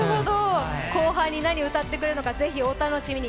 後輩に何を歌ってくれるのかぜひお楽しみに。